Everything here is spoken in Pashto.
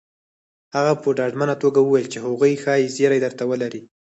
هغه په ډاډمنه توګه وويل چې هغوی ښايي زيری درته ولري